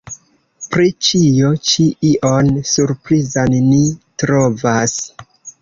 Pri ĉio ĉi ion surprizan ni trovas.